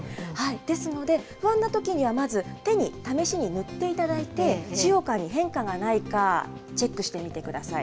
ですので、不安なときにはまず、手に試しに塗っていただいて、使用感に変化がないか、チェックしてみてください。